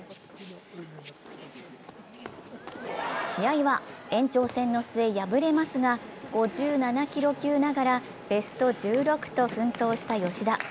試合は延長戦の末、敗れますが５７ｋｇ級ながらベスト１６と奮闘した芳田。